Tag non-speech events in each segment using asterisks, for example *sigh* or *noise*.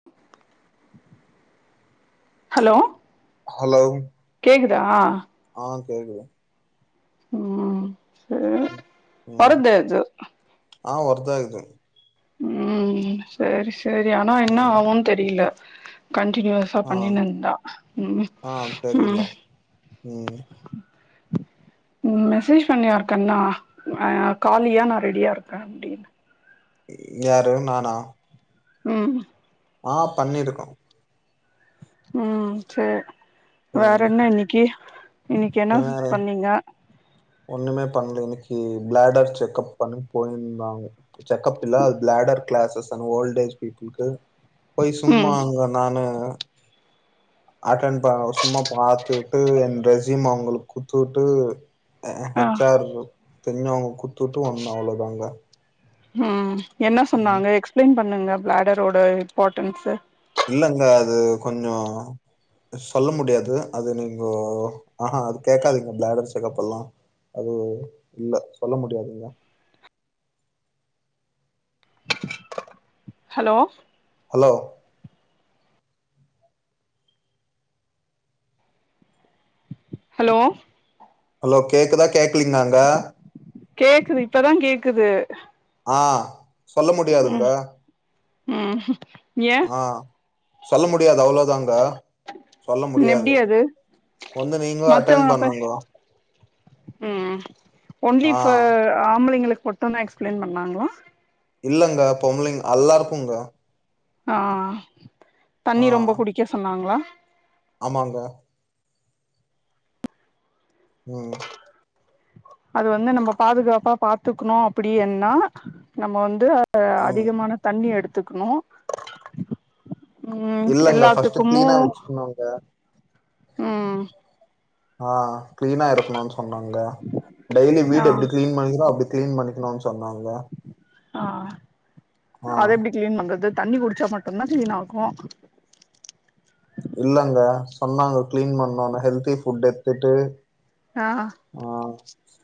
*inaudible* hello hello கேக்குதா ஆ கேக்குது ம் சரி ம் ம் மறுப்டேச்சு ஆ வருதா இது ம் சேரி சேரி ஆனா என்ன ம் ஆகுன் தெரில கண்டினுயஸ் அவ் ஆ பண்ணின்னுந்தா ம் ஆ தெரில ம் ம் ம் மெசேஜ் பண்ணு யார்கன்னா ஆ காலியா நா ரெடியா இருக்க அப்டின் யாரு நானா ம் ஆ பண்ணிருக்க ம் சேர் வேற ம் என்ன இன்னிக்கு இன்னிக்கு என்ன பண்ணீங்க ஒன்னுமே பண்ல இன்னிக்கு பிளாடர் செக்கப் பண்ண போயிர்ந்தாங்க செக்கப் இல்ல அது பிளாடர் கிளாசஸ் அந்த ஓல்டேஜ் பீப்புள்க்கு போய் சும்மா ம் அங்க நானு அட்டன் பண்ணணு சும்மா பாத்துட்டு என் ரெசிம் அவுங்குளுக் குட்த்துட்டு அ ஆ ஹெச் ஆர் தெரிஞ்சவ்ங்க குட்த்துட்டு வந்தோ அவ்ளோதாங்க ம் என்ன ம் சொன்னாங்க எக்ஸ்பிளைன் பண்ணுங்க பிளாடரோட இம்பாட்டன்ஸ இல்லங்க அது கொஞ்சோ சொல்ல முடியாது அது நீங்கோ அஹா அது கேக்காதீங்க பிளாடர் செக்கபெல்லா அது இல்ல சொல்ல முடியாதுங்க ஹலோ ஹலோ ஹலோ ஹலோ கேக்குதா கேக்லீங்னாங்க கேக்குது இப்பதா கேக்குது ஆ சொல்ல முடியாதுங்க ம் ம் ஏ ஆ சொல்ல முடியாது அவுளோதாங் க சொல்ல எப்டி முடியாது அது வந்து நீங்ளு அட்டன் மத்தவங்க அப்ப பண்ணுங்க ம் ஒன்லி ஆ இஃப்ப ஆம்புளைங்குளுக் மட்டுந்தா எக்ஸ்பிளைன் பண்ணாங்ளா இல்லங்க பொம்பளைங் அல்லாருக்குங்க ஆ ஆ தண்ணி ரொம்ப குடிக்க சொன்னாங்ளா ஆமாங்க ம் அது வந்து நம்ம பாதுகாப்பா பாத்துக்ணு அப்படி என்னா நம்ம வந்து ஆ ம் அதிகமான தண்ணி எடுத்துக்னு ம் இல்லங்க ஃபர்ஸ்ட்டு எல்லாத்துக்குமு கிளீனா வச்சுக்கணுங்க ம் ஆ கிளீனா இருக்னுன்னு சொன்னாங்க டெய்லி ஆ வீடு எப்டி கிளீன் பண்னுவீங்ளோ அப்டி கிளீன் பண்ணிக்னுன்னு சொன்னாங்க ஆ ஆ அத எப்டி கிளீன் பண்றது தண்ணி குடிச்சா மட்டுதா கிளீன் ஆகு இல்லங்க சொன்னாங்க கிளீன் பண்ணூன்னு ஹெல்தி ஃபுட் எடுத்துட்டு ஆ ஆ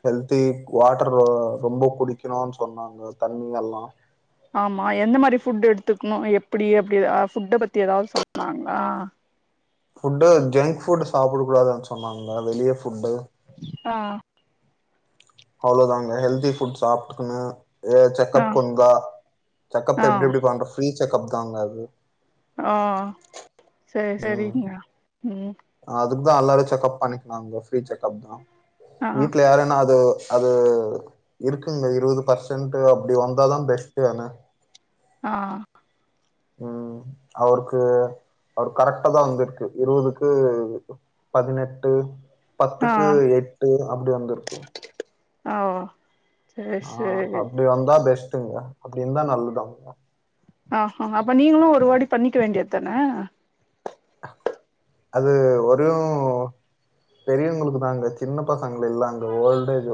ஹெல்தி வாட்டர் ரொம்ப குடிக்கணோன்னு சொன்னாங்க தண்ணி எல்லா ஆமா எந்த மாரி ஃபுட் எடுத்துக்ணு எப்டி அப்படி ஏதா ஃபுட் பத்தி ஏதாவ்து சொன்னாங்ளா ஃபுட்டு ஜங்க் ஃபுட்டு சாப்புட கூடாதுன்னு சொன்னாங்க வெளிய ஃபுட்டு ஆ அவ்ளோதாங்க ஹெல்தி ஃபுட் சாப்ட்டுகுங்க ஏது ஆ செக்கப் வந்தா ஆ செக்கப்கு எப்டி எப்டி பண்ற ஃப்ரீ செக்கப் தாங்க அது ஆ சேரி சேரிங்க ம் அதுக்குதா எல்லாரு செக்கப் பண்ணிக்குனாங்க ஃப்ரீ செக்கப் தா ஆ வீட்டுல யாருனா அது அது இருக்குங்க இருபது பர்சன்ட் அப்படி வந்தா தா பெஸ்ட்டு ஆ ம் அவருக்கு அவரு கரெக்டா தா வந்திருக்கு இருவதுக்கு பதினெட்டு ஆ பத்துக்கு எட்டு அப்டி வந்திருக்கு ஓ சரி ஆ சரி அப்டி வந்தா பெஸ்ட்டுங்க அப்டி இருந்தா நல்லதமா ஆ ஆம அப்ப நீங்ளும் ஒரு வாட்டி பண்ணிக்க வேண்டிய தானே அது ஒரூ பெரியவுங்ளுக்கு தாங்க சின்ன பசங்க இல்ல அங்க ஓல்டேஜ்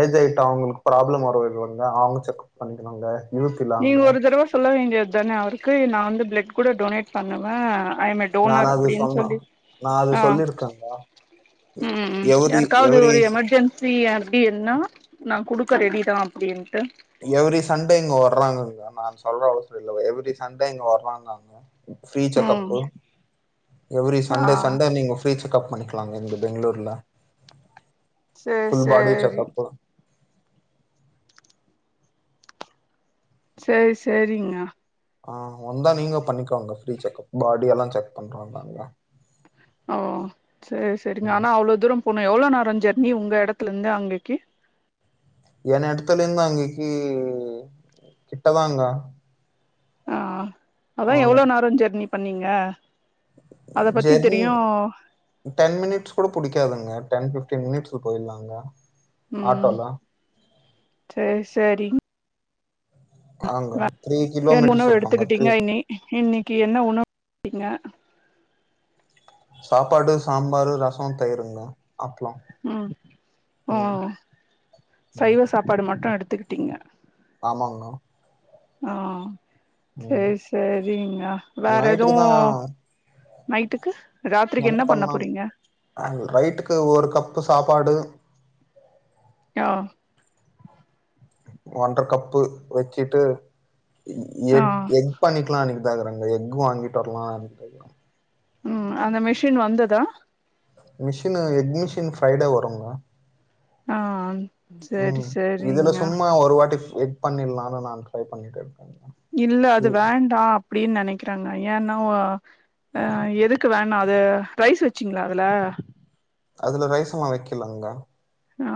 ஏஜ் ஆயிட்டோ அவுங்களுக்கு ப்ராப்ளம் வருல்லங்க அவங்க செக்கப் பண்ணிக்கணுங்க யூத் இல்ல நீங்க அவங்க ஒரு தடவ சொல்ல வேண்டியத்தானே அவருக்கு நான் வந்து பிளட் கூட டொனேட் பண்ணுவே ஐ எம் ஏ நானு டோனர் அது அப்டின்னு சொன்ன சொல்லி நா அது ஆ சொல்லிருக்கங்க ம் எவரி யாருக்காவ்து எவரி ஒரு எமர்ஜென்சி ஃப்ரீ அப்டின்னா நான் குடுக்க ரெடி தா அப்படின்ட்டு எவெரி சண்டே இங்க வர்றாங்காங்க நான் சொல்ற *unintelligible* இல்ல இவெரி சண்டே இங்க வர்றாங்காங்க ஃப்ரீ ம் செக்கப்பு எவ்வெரி ஆ சண்டே சண்டே நீங்க செக் ஃப்ரீ செக்கப் பண்ணிக்கலாங்க இந்த பெங்களூர்ல சரி ஃபுல் பாடி சரி செக்கப்பு சேரி சேரிங்க ஆ வந்தா நீங்க பண்ணிக்கோங்க ஃப்ரீ செக்கப் பாடி எல்லா செக் பண்றாங்க ஓ சேரி சேரிங்க ம் ஆனால் அவ்ளோ தூரம் போகணு எவ்ளோ நேரம் ஜர்ணி உங்க எடத்துல இருந்து அங்கேக்கி ஏன் எடத்துல இருந்து அங்கக்கி கிட்டதாங்க ஆ அதான் ஆங்க எவ்ளோ நேரம் ஜர்னி பண்ணீங்க அத பத்தி ஜெர்னி தெரியு டென் மினிட்ஸ் கூட புடிக்காதுங்க டென் பிஃப்டீன் மினிட்ஸ்ல போயிலாங்க ம் சேரி சேரிங் ஆங்க த்ரீ என் கிலோமீட்டர்ஸ் உணவு இருக்குங்க த்ரீ எடுத்துக்கிட்டீங்க இனி இன்னைக்கி என்ன உணவு எடுத்திங்க சாப்பாடு சாம்பாரு ரசோ தயிருங்க அப்ளோ ம் ம் சைவ சாப்பாடு மட்டு எடுத்துக்கிட்டிங்க ஆமாங்க மேம் ஆ ம் சேரி சேரிங்க வேற எது நைட்டுக்கு தான் நைட்டுக்கு என்ன பண்ண பண்ணலாம் போறீங்க ஆ ரைட்டுக்கு ஒரு கப்பு சாப்பாடு ஓ ஒன்றர கப்பு வெக்கிட்டு ஆ எக் எக் பண்ணிக்கலா *unintelligible* எக் வாங்கிட்டு வர்லா ம் அந்த மிஷின் வந்ததா மிஷின்னு எக் மிஷின் ஃப்ரைடே வருங்க மேம் ஆ சேரி ம் இதுல சேரிங்க சும்மா ஒரு வாட்டி எக் பண்ணிலா நானு ட்ரை பண்ணிட்டு இருக்கே இல்ல அது வேண்டா அப்டின்னு நெனைக்கறாங்க ஏன்னா ஆ எதுக்கு வேணா அது ரைஸ் வெச்சிங்களா அதுல அதுல ரைஸ்சு நா வைக்கலாங்க ஆ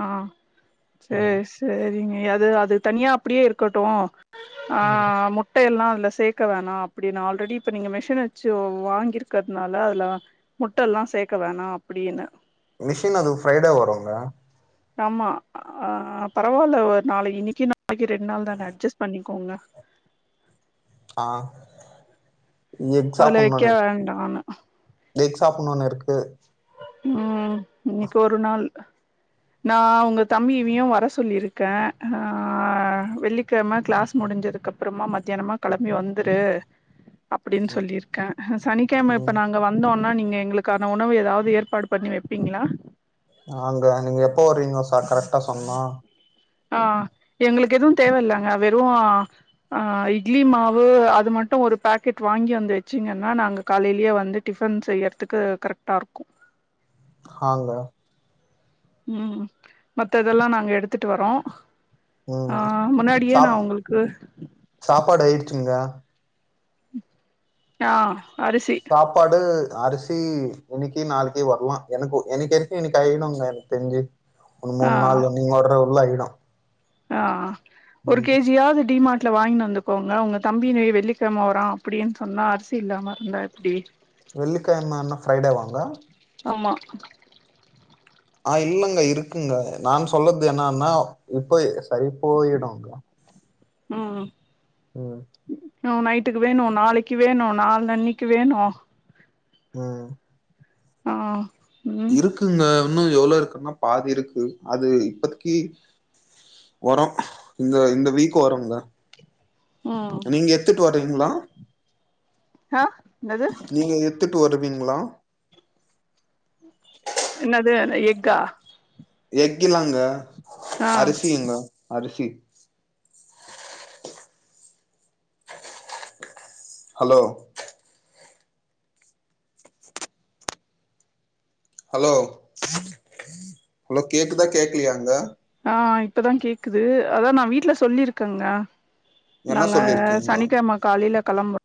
சேரி சேரிங்க அது அது தனியா அப்டியே இருக்கட்டு ஆ ம் முட் முட்டயெல்லா அதுல சேக்க வேணா அப்டின்னு ஆல்ரெடி இப்ப நீங்க மிஷின வெச்சி வாங்கிருக்கிறதுனால அதுல முட்டெல்லா சேக்க வேணா அப்டின்னு மிஷின் அது ஃப்ரைடே வருங்க ஆமா ஆ பரவால்ல ஒரு நாளிக்கு இன்னிக்கு நாளிக்கு ரெண் நாள் தானே அட்ஜஸ்ட் பண்ணிக்கோங்க ஆ எக் அதுல வைக்க சாப்ட்னுனு இரு வேண்டான்னு எக் சாப்டுனுனு இருக்கு ம் இன்னிக்கி ஒரு நாள் நா ஒங்க தம்பிவியயு வர சொல்லியிருக்கே நா ஆ வெள்ளிக்கெழம கிளாஸ் முடிஞ்சதுக் கப்றமா மத்தியானமா கெளம்பி வந்துரு அப்டின்னு ம் சொல்லிர்க்கே சனிக்கெழம இப்ப ம் நாங்க வந்தோன்னா நீங்க எங்களுக்கான உணவு எதாவது ஏர்ப் பாடு பண்ணி வெப்பீங்களா நாங்க நீங்க எப்ப வருவீங் சார் கரெக்ட்டா சொன்னா ஆ எங்களுக்கு எது தேவ இல்லங்க வெறு ஆ இட்லி மாவு அது மட்டு ஒரு பேக்கெட் வாங்கி வந்து வெச்சிங்கன்னா நாங்க காலையிலயே வந்து டிஃபன் செய்யறதுக்கு கரெக்டா இருக்கு ஆங்க ம் மத்ததெல்லா நாங்க எடுத்துட்டு வரோ ஆ ம் முன்னாடியே நா சாப் உங்களுக்கு சாப்பாடு ஆயிடுச்சுங்ளா ஆ அரிசி சாப்பாடு அரிசி இன்னிக்கி நாளிக்கி வர்லா எனக்கு எனக்கி எப்போ இன்னிக்கி *unintelligible* தெரிஞ்சு ஆ மூண்நாள்ள நீங்க வர்றக்குள்ள ஆயிடு ஆ ஒரு ம் கே ஜி யாது டிமார்ட்ல வாங்கின் வந்து கோங்க உங்க தம்பி நே வெள்ளிக்கெழம வரா அப்டின்னு சொன்னா அரிசி இல்லாம இருந்தா எப்டி வெள்ளிக்கெழமனா ஃப்ரை டே வாங்க ஆமா ஆ இல்லங்க இருக்குங்க நான் சொல்லது என்னான்னா *unintelligible* ம் *unintelligible* ம் நைட்டுக்கு வேணு நாளிக்கி வேணு நால் அன்னிக்கி வேணு ம் ஆ ம் இருக்குங்க இன்னு எவ்ளோ இருக்குன்னா பாதி இருக்கு அது இப்பதிக்கி வரு இந்த இந்த வீக் வருங்க ம் நீங்க எத்துட்டு வர்றீங்ளா ஹா என்னது நீங்க எடுத்துட்டு வருவீங்ளா என்னது எஃகா எஃகிலாங்க ஆ அரிசிங்க அரிசி ஹலோ ஹலோ ஹலோ கேக்குதா கேக்கலையாங்க ஆ இப்பதான் கேக்குது அதா நா வீட்ல சொல்லியிருக்கங்க என்ன நாங்க சொல்லிருக்கீங்க சனிக்கெழம காலைல கெளம்ப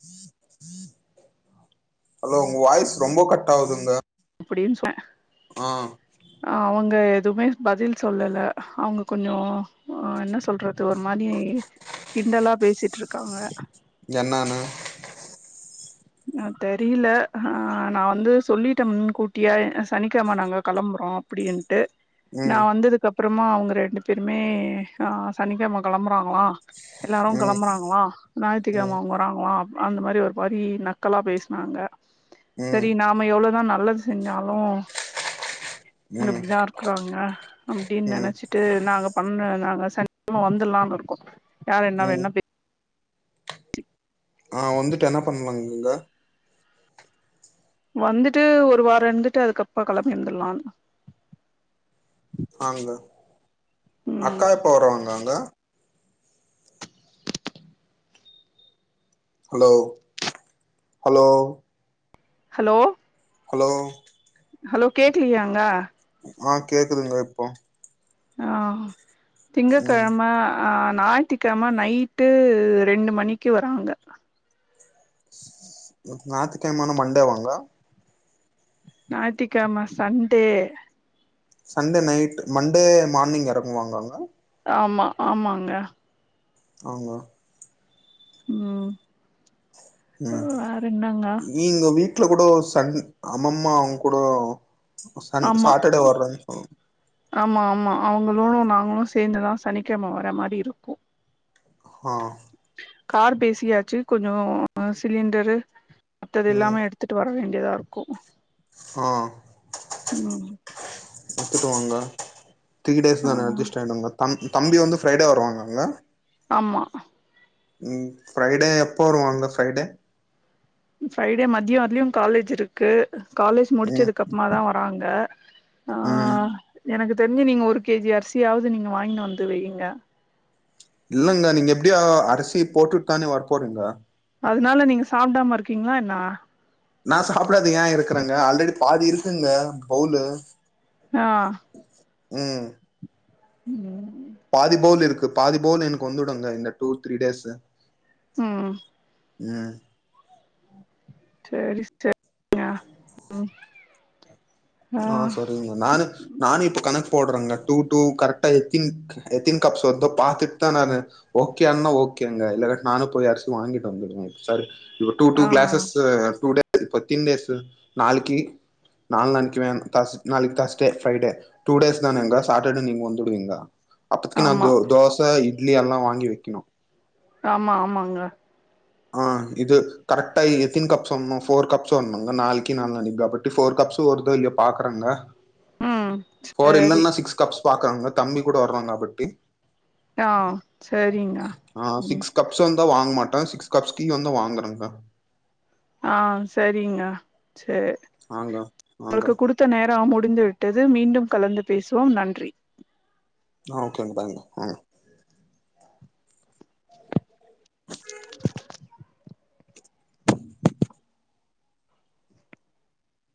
ஹலோ ஒங்க வாய்ஸ் ரொம்ப கட் ஆகுதுங்க அப்டின்ச்ச அவுங்க எதுமே பதில் சொல்லல அவுங்க கொஞ்சோ ஆ என்ன சொல்றது தோ ஒரு மாரி கிண்டலா பேசிட்டுருக்காங்க என்னானு நா தெரில ஆ நா வந்து சொல்லிட்ட முன்கூட்டியா சனிக்கிழம நாங்க கெளம்புறோ அப்டின்ட்டு நா ம் வந்ததுக்கு அப்பறமா அவுங்க ரெண்டு பேருமே ஆ சனிக்கெழம கெளம்புறாங்ளா எல்லாரு ம் கெளம்புறாங்ளா ஞாயித்துகெழம ம் அவுங்க வறாங்ளா அந்த மாரி ஒரு வரி நக்கலா பேசினாங்க சரி ம் நாம எவ்ளோதா நல்லது செஞ்சாலு இங்க ம் இப்டிதா இருக்கறாங்க அப்டின்னு ம் நெனைச்சு ட்டு நாங்க பண்ண நாங்க சனிக்கெழம வந்துர்லான்னு இருக்கோ யார் என்ன ம் வேணா பே ஆ வந்துட்டு என்ன பண்ணலாங் நீங்க வந்துட்டு ஒரு வாரோ இருந்துட்டு அதுக்கப்றோ கெளம்பி வந்துர்லான்னு ஆங்க ம் அக்கா எப்போ வருவாங்க அங்க hello hello hello hello hello கேக்கலையாங்க ஆ கேக்குதுங்க இப்போ ஆ ம் திங்கக்கெழம ஆ ஞாய்த்துக்கெழம நைட்டு ரெண்டு மணிக்கு வராங்க ஞாய்த்துகெழமனா மண்டே வாங்க ஞாயித்துகெழம Sunday Sunday night Monday morning எறக்குவாங்க அங்க ஆமா ஆமாங்க அவுங்ளா ம் ம் வேற என்னங்க நீ உங்க வீட்ல கூட சண் அம்மம்மா அவுங்க கூட சன் ஆமா சாட்டர்டே வர்றன்னு சொல் ஆமா ஆமா அவுங்கள நாங்களு சேந்துதா சனிக்கெழம வர்ற மாரி இருக்கு ஆ கார் பேசியாச்சு கொஞ்சொ சிலிண்டரு மத்தது ம் எல்லாமே எடுத் த்துட்டு வர வேண்டியதா இருக்கும் ஆ ம் எடுத்துட்டுவாங்க த்ரீ டேஸ் ஆ தான அட்ஜஸ்ட் ஆகிடுங்க த தம்பி வந்து ஃப்ரைடே வருவாங்கங்க ஆமா ஃப்ரைடே எப்போ வருவ அந்த ஃப்ரைடே ஃப்ரைடே மத்யம் வரலேயு காலேஜ் இருக்கு காலேஜ் ம் முடிச்சதுக்கு அப்புமா தா வராங்க ஆ ம் எனக்கு தெரிஞ்சு நீங்க ஒரு கே ஜி அரிசியாவது நீங்க வாங்கினு வந்து வைய்ங்க இல்லங்க நீங்க எப்டியோ அரிசி போட்டுட் தானே வர போறீங்க அதுனால நீங்க சாப்புடாம இருக்கீங்களா என்ன நா சாப்பிடாது ஏ இருக்குறேங்க ஆல்ரெடி பாதி இருக்குங்க பவுலு ஆ ம் ம் பாதிபவுல் இருக்கு பாதி பவுல் எனக்கு வந்துடுங்க இந்த டூ த்ரீ டேஸூ ம் ம் *inaudible* ஆ சரிங்க நானு நானும் இப்ப கணக்கு போடுறேங்க டூ டூ கரெக்டா எத்தின் எத்தின் கப்ஸ் வருதோ பாத்துட்டு தா நானு ஓகே அன்னா ஓகேங்க இல்லாட்டி நானு போய் அரிசி வாங்கிட்டு வந்துடுவே செரி டூ டூ ஆ க்ளாஸஸ் டுடே வொர்கிங் டேஸூ நாளைக்கு நாளானி நாளைக்கு தஸ்டே ப்ரைடே டூ டேஸ் தானங்க சாட்டர்டே நீங்க வந்துடுவிங்க அப்பதிக்கு நா ஆமா தோச இட்லி எல்லா வாங்கி வைக்கணு ஆமா ஆமாங்க ஆ இது கரெக்டா எத்தின கப்ஸ் வாங்கனு ஃபோர் கப்ஸ் வருனும்ங்க நாளைக்கு நாளனைக்கு ஃபோர் கப்ஸ் வருதோ இல்லயோ பாக்கறங்க ம் போர் சரி இல்லன்னா சிக்ஸ் கப்ஸ் பாக்கறங்க கம்மி கூட வர்றாங்க அப்டி இப்டி ஆ சரிங்க ஆ ம் சிக்ஸ் கப்ஸ் வந்தா வாங்க மாட்டே சிக்ஸ் கப் டீ வந்தா வாங்கறேங்க ஆ சரிங்க சேர் ஆங்க ஆங்க குடுத்த நேரம் முடிந்து விட்டது மீண்டும் கலந்து பேசுவோம் நன்றி ஆ ஓகேங்க பாய்ங்க ம்